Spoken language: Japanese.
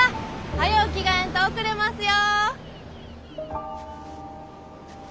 早う着替えんと遅れますよ！